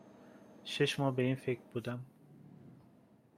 شش ماه به این فکر بودم